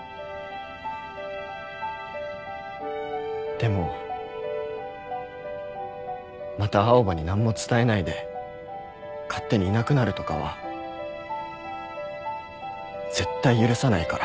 でもまた青羽に何も伝えないで勝手にいなくなるとかは絶対許さないから。